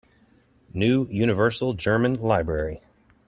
New Universal German Library.